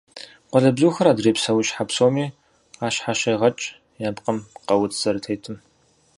Къуалэбзухэр адрей псэущхьэ псоми къащхьэщегъэкӏ я пкъым къэуц зэрытетым.